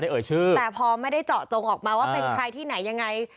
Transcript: แต่พร้อมไม่ได้เจาะจงออกมาว่าเป็นใครที่ไหนยังไง